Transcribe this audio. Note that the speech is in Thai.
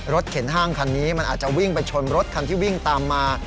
เข็นห้างคันนี้มันอาจจะวิ่งไปชนรถคันที่วิ่งตามมา